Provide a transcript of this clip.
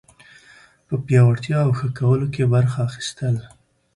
په پیاوړتیا او ښه کولو کې برخه اخیستل